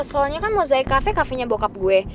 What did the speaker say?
ya soalnya kan mosaic cafe cafe nya bokap gue